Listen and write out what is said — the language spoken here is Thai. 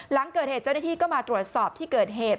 หลังเกิดเหตุเจ้าหน้าที่ก็มาตรวจสอบที่เกิดเหตุ